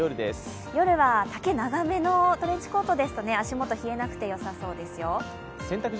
夜は丈長めのトレンチコートですと足元冷えなくてよさそうですよ。